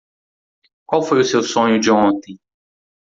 Qual foi o seu sonho de ontem?